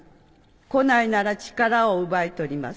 来ないなら力を奪い取ります